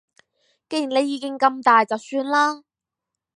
既然你意見咁大就算啦